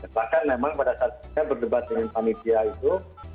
bahkan memang pada saat saya berdebat dengan panitia itu